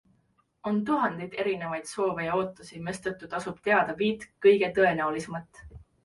On tuhandeid erinevaid soove ja ootusi, mistõttu tasub teada viit kõige tõenäolisemat.